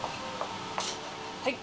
はい？